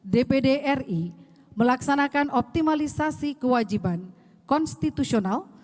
dpd ri melaksanakan optimalisasi kewajiban konstitusional